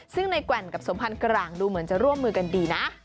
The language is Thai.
ซึ่งในแกว่งกับสมพันธ์กลางดูเหมือนจะร่วมมือกันดีนะ